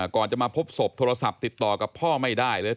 ก่อนจะมาพบศพโทรศัพท์ติดต่อกับพ่อไม่ได้เลย